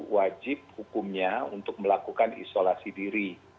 wajib hukumnya untuk melakukan isolasi diri